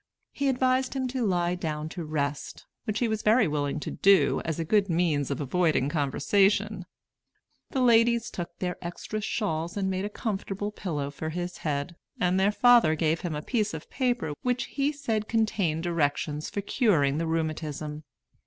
He advised him to lie down to rest; which he was very willing to do, as a good means of avoiding conversation. The ladies took their extra shawls and made a comfortable pillow for his head, and their father gave him a piece of paper which he said contained directions for curing the rheumatism.